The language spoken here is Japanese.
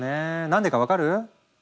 何でか分かる？